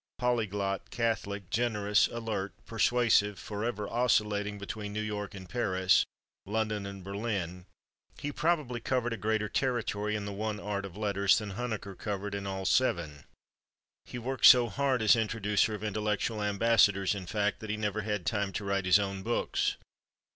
Polyglot, catholic, generous, alert, persuasive, forever oscillating between New York and Paris, London and Berlin, he probably covered a greater territory in the one art of letters than Huneker covered in all seven. He worked so hard as introducer of intellectual ambassadors, in fact, that he never had time to write his own books.